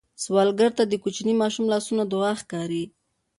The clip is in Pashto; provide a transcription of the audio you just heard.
سوالګر ته د کوچني ماشوم لاسونه دعا ښکاري